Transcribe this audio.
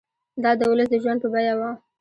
دا د ولس د ژوند په بیه وو.